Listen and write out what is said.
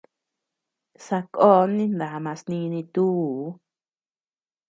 Sakón nindamas nini tuu.